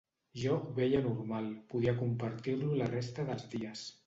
Jo ho veia normal; podia compartir-lo la resta dels dies.